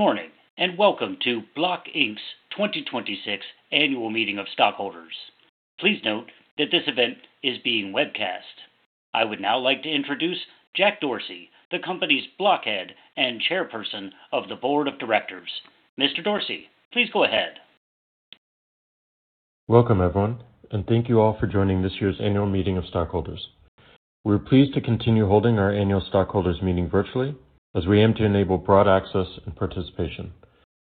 Good morning. Welcome to Block, Inc.'s 2026 annual meeting of stockholders. Please note that this event is being webcast. I would now like to introduce Jack Dorsey, the company's Block Head and Chairperson of the Board of Directors. Mr. Dorsey, please go ahead. Welcome, everyone. Thank you all for joining this year's annual meeting of stockholders. We're pleased to continue holding our annual stockholders meeting virtually as we aim to enable broad access and participation.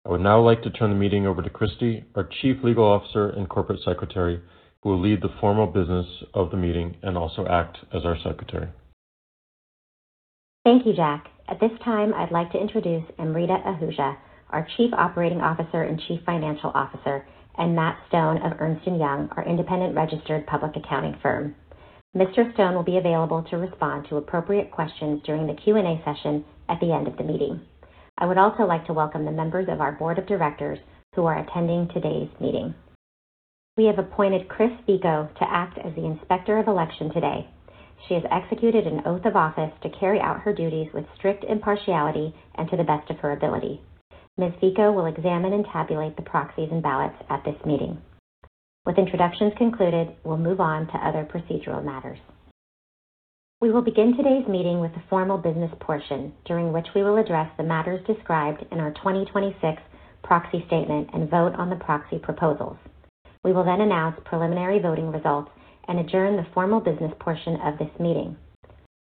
I would now like to turn the meeting over to Chrysty, our Chief Legal Officer and Corporate Secretary, who will lead the formal business of the meeting. Also act as our secretary. Thank you, Jack. At this time, I'd like to introduce Amrita Ahuja, our Chief Operating Officer and Chief Financial Officer. Matt Stone of Ernst & Young, our independent registered public accounting firm. Mr. Stone will be available to respond to appropriate questions during the Q&A session at the end of the meeting. I would also like to welcome the members of our board of directors who are attending today's meeting. We have appointed [Chris Ficco] to act as the Inspector of Election today. She has executed an oath of office to carry out her duties with strict impartiality and to the best of her ability. Ms.[ Ficco] will examine and tabulate the proxies and ballots at this meeting. With introductions concluded, we'll move on to other procedural matters. We will begin today's meeting with the formal business portion, during which we will address the matters described in our 2026 proxy statement. Vote on the proxy proposals. We will then announce preliminary voting results. Adjourn the formal business portion of this meeting.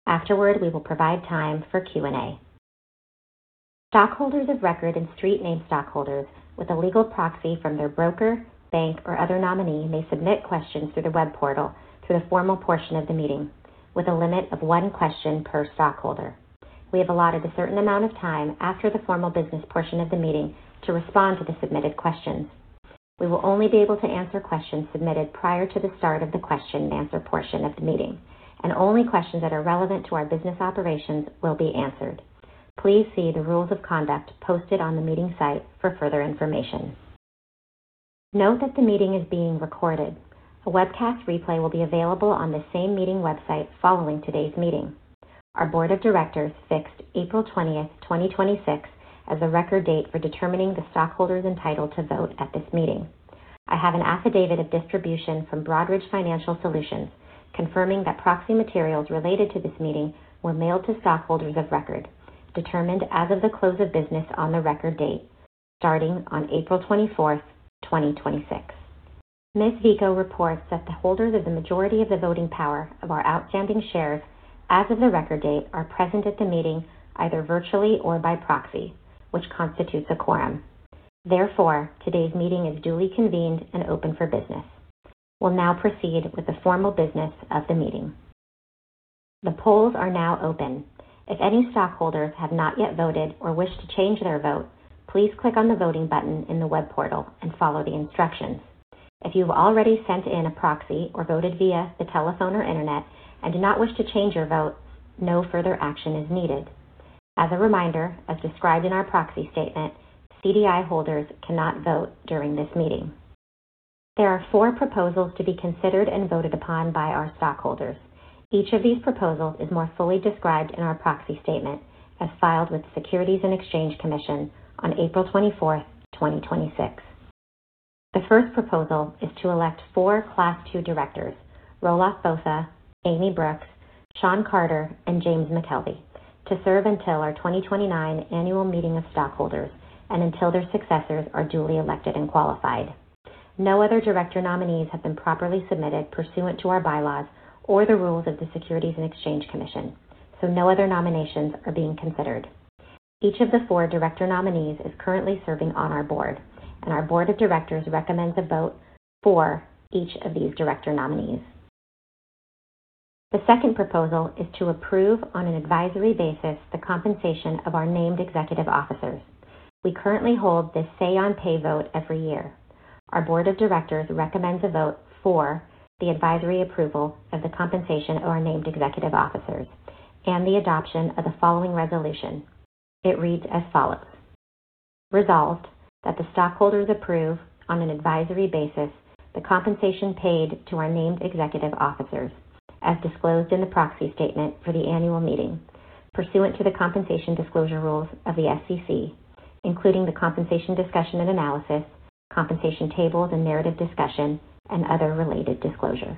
Afterward, we will provide time for Q&A. Stockholders of record and street name stockholders with a legal proxy from their broker, bank, or other nominee may submit questions through the web portal through the formal portion of the meeting with a limit of one question per stockholder. We have allotted a certain amount of time after the formal business portion of the meeting to respond to the submitted questions. We will only be able to answer questions submitted prior to the start of the question-and-answer portion of the meeting. Only questions that are relevant to our business operations will be answered. Please see the rules of conduct posted on the meeting site for further information. Note that the meeting is being recorded. A webcast replay will be available on the same meeting website following today's meeting. Our board of directors fixed April 20th, 2026, as the record date for determining the stockholders entitled to vote at this meeting. I have an affidavit of distribution from Broadridge Financial Solutions confirming that proxy materials related to this meeting were mailed to stockholders of record, determined as of the close of business on the record date starting on April 24th, 2026. Ms. [Ficco] reports that the holders of the majority of the voting power of our outstanding shares as of the record date are present at the meeting, either virtually or by proxy, which constitutes a quorum. Therefore, today's meeting is duly convened and open for business. We'll now proceed with the formal business of the meeting. The polls are now open. If any stockholders have not yet voted or wish to change their vote, please click on the voting button in the web portal and follow the instructions. If you've already sent in a proxy or voted via the telephone or internet and do not wish to change your vote, no further action is needed. As a reminder, as described in our proxy statement, CDI holders cannot vote during this meeting. There are four proposals to be considered and voted upon by our stockholders. Each of these proposals is more fully described in our proxy statement as filed with the Securities and Exchange Commission on April 24th, 2026. The first proposal is to elect four Class 2 directors, Roelof Botha, Amy Brooks, Shawn Carter, and James McKelvey, to serve until our 2029 annual meeting of stockholders and until their successors are duly elected and qualified. No other director nominees have been properly submitted pursuant to our bylaws or the rules of the Securities and Exchange Commission, so no other nominations are being considered. Each of the four director nominees is currently serving on our board, and our board of directors recommends a vote for each of these director nominees. The second proposal is to approve on an advisory basis the compensation of our named executive officers. We currently hold this say on pay vote every year. Our board of directors recommends a vote for the advisory approval of the compensation of our named executive officers and the adoption of the following resolution. It reads as follows. Resolved, that the stockholders approve on an advisory basis the compensation paid to our named executive officers as disclosed in the proxy statement for the annual meeting pursuant to the compensation disclosure rules of the SEC, including the compensation discussion and analysis, compensation tables and narrative discussion, and other related disclosures.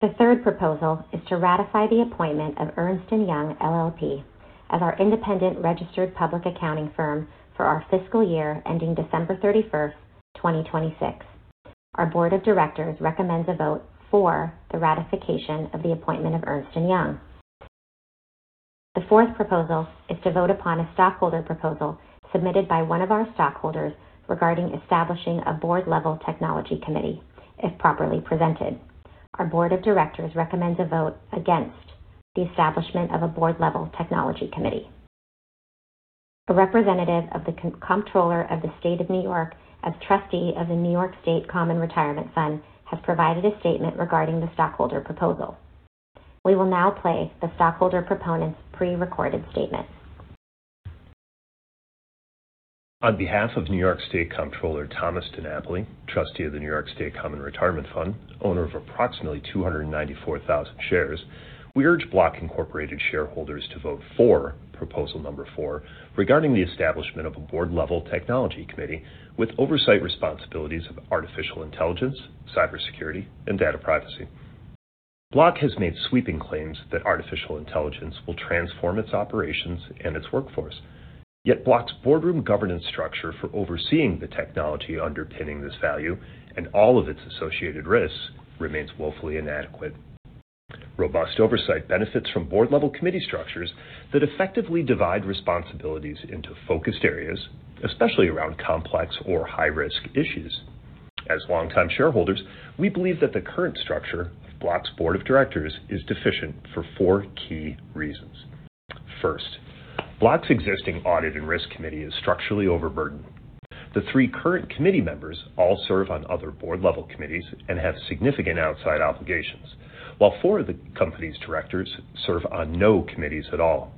The third proposal is to ratify the appointment of Ernst & Young LLP as our independent registered public accounting firm for our fiscal year ending December 31st, 2026. Our board of directors recommends a vote for the ratification of the appointment of Ernst & Young. The fourth proposal is to vote upon a stockholder proposal submitted by one of our stockholders regarding establishing a board level technology committee if properly presented. Our board of directors recommends a vote against the establishment of a board level technology committee. A representative of the Comptroller of the State of New York as trustee of the New York State Common Retirement Fund has provided a statement regarding the stockholder proposal. We will now play the stockholder proponent's prerecorded statement. On behalf of New York State Comptroller Thomas DiNapoli, Trustee of the New York State Common Retirement Fund, owner of approximately 294,000 shares, we urge Block Incorporated shareholders to vote for proposal number four regarding the establishment of a board-level technology committee with oversight responsibilities of artificial intelligence, cybersecurity, and data privacy. Block has made sweeping claims that artificial intelligence will transform its operations and its workforce. Yet Block's boardroom governance structure for overseeing the technology underpinning this value and all of its associated risks remains woefully inadequate. Robust oversight benefits from board-level committee structures that effectively divide responsibilities into focused areas, especially around complex or high-risk issues. As longtime shareholders, we believe that the current structure of Block's board of directors is deficient for four key reasons. First, Block's existing audit and risk committee is structurally overburdened. The three current committee members all serve on other board-level committees and have significant outside obligations, while four of the company's directors serve on no committees at all.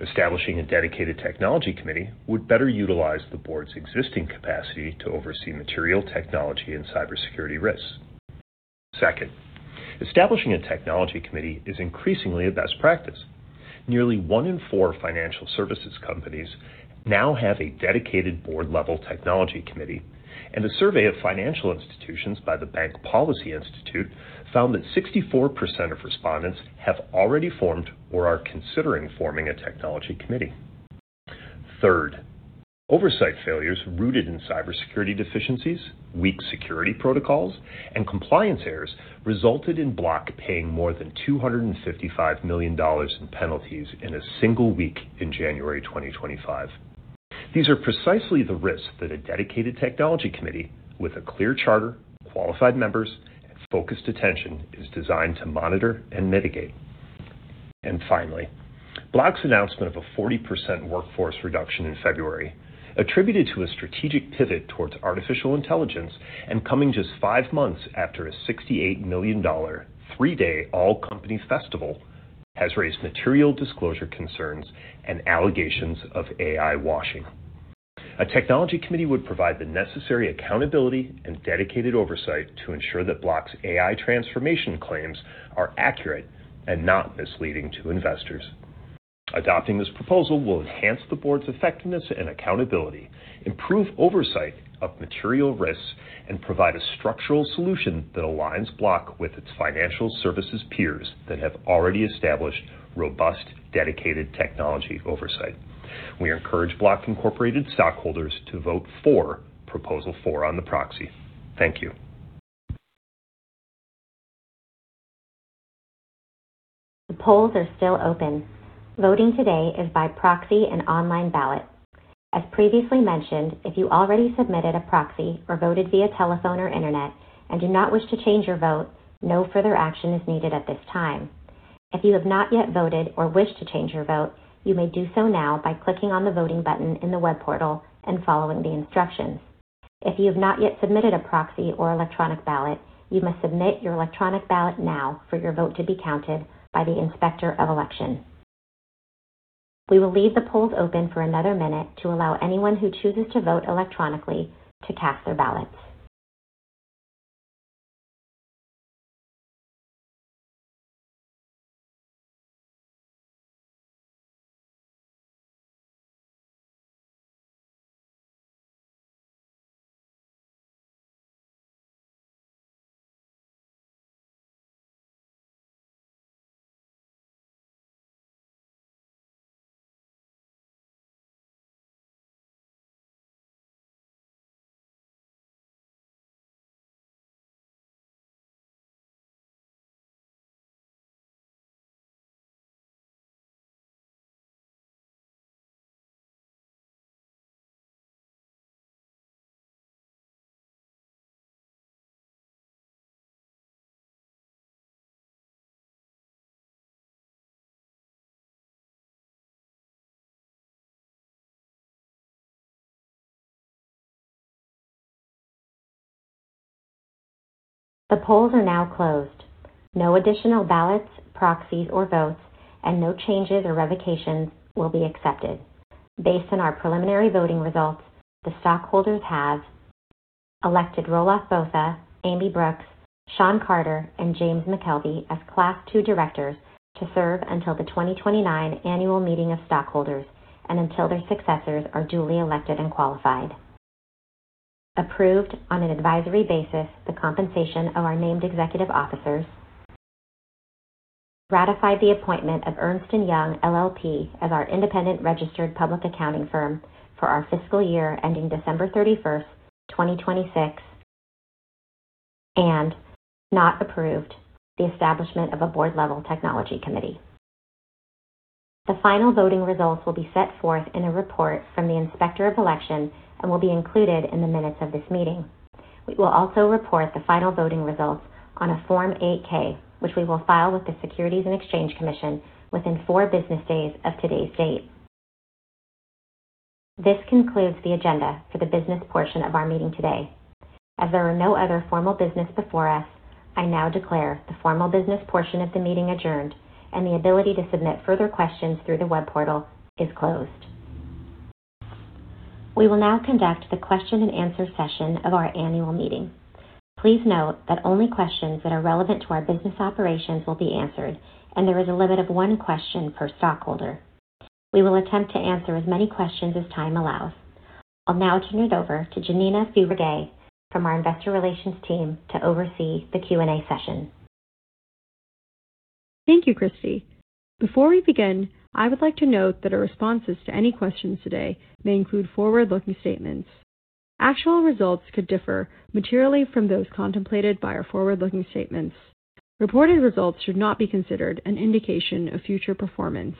Establishing a dedicated technology committee would better utilize the board's existing capacity to oversee material technology and cybersecurity risks. Second, establishing a technology committee is increasingly a best practice. Nearly one in four financial services companies now have a dedicated board-level technology committee, and a survey of financial institutions by the Bank Policy Institute found that 64% of respondents have already formed or are considering forming a technology committee. Third, oversight failures rooted in cybersecurity deficiencies, weak security protocols, and compliance errors resulted in Block paying more than $255 million in penalties in a single week in January 2025. These are precisely the risks that a dedicated technology committee with a clear charter, qualified members, and focused attention is designed to monitor and mitigate. Finally, Block's announcement of a 40% workforce reduction in February, attributed to a strategic pivot towards artificial intelligence and coming just five months after a $68 million three-day all-company festival, has raised material disclosure concerns and allegations of AI washing. A technology committee would provide the necessary accountability and dedicated oversight to ensure that Block's AI transformation claims are accurate and not misleading to investors. Adopting this proposal will enhance the board's effectiveness and accountability, improve oversight of material risks, and provide a structural solution that aligns Block with its financial services peers that have already established robust, dedicated technology oversight. We encourage Block Incorporated stockholders to vote for proposal four on the proxy. Thank you. The polls are still open. Voting today is by proxy and online ballot. As previously mentioned, if you already submitted a proxy or voted via telephone or internet and do not wish to change your vote, no further action is needed at this time. If you have not yet voted or wish to change your vote, you may do so now by clicking on the voting button in the web portal and following the instructions. If you have not yet submitted a proxy or electronic ballot, you must submit your electronic ballot now for your vote to be counted by the Inspector of Election. We will leave the polls open for another minute to allow anyone who chooses to vote electronically to cast their ballots. The polls are now closed. No additional ballots, proxies, or votes, and no changes or revocations will be accepted. Based on our preliminary voting results, the stockholders have elected Roelof Botha, Amy Brooks, Shawn Carter, and James McKelvey as Class II directors to serve until the 2029 annual meeting of stockholders and until their successors are duly elected and qualified. Approved on an advisory basis the compensation of our named executive officers, ratified the appointment of Ernst & Young LLP as our independent registered public accounting firm for our fiscal year ending December 31st, 2026, and not approved the establishment of a board-level technology committee. The final voting results will be set forth in a report from the Inspector of Election and will be included in the minutes of this meeting. We will also report the final voting results on a Form 8-K, which we will file with the Securities and Exchange Commission within four business days of today's date. This concludes the agenda for the business portion of our meeting today. As there are no other formal business before us, I now declare the formal business portion of the meeting adjourned and the ability to submit further questions through the web portal is closed. We will now conduct the question-and-answer session of our annual meeting. Please note that only questions that are relevant to our business operations will be answered, and there is a limit of one question per stockholder. We will attempt to answer as many questions as time allows. I'll now turn it over to Junina Furigay from our investor relations team to oversee the Q&A session. Thank you, Chrysty. Before we begin, I would like to note that our responses to any questions today may include forward-looking statements. Actual results could differ materially from those contemplated by our forward-looking statements. Reported results should not be considered an indication of future performance.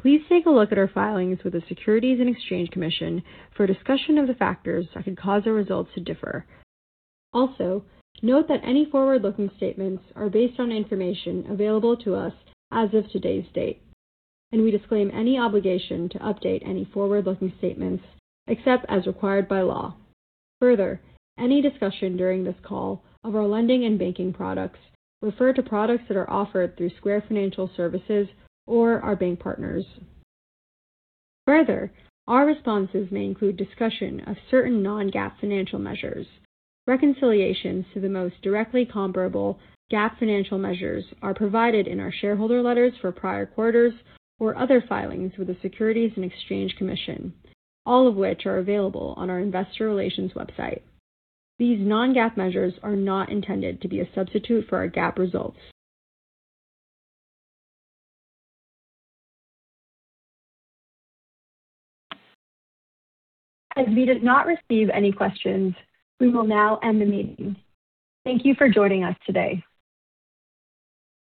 Please take a look at our filings with the Securities and Exchange Commission for a discussion of the factors that could cause our results to differ. Note that any forward-looking statements are based on information available to us as of today's date, and we disclaim any obligation to update any forward-looking statements except as required by law. Any discussion during this call of our lending and banking products refer to products that are offered through Square Financial Services or our bank partners. Our responses may include discussion of certain non-GAAP financial measures. Reconciliations to the most directly comparable GAAP financial measures are provided in our shareholder letters for prior quarters or other filings with the Securities and Exchange Commission, all of which are available on our investor relations website. These non-GAAP measures are not intended to be a substitute for our GAAP results. As we did not receive any questions, we will now end the meeting. Thank you for joining us today.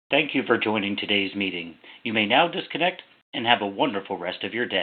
Thank you for joining today's meeting. You may now disconnect and have a wonderful rest of your day.